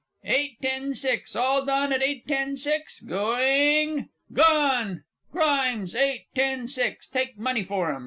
Eight ten six. All done at eight ten six? Going ... gone! GRIMES, Eight, ten, six. Take money for 'em.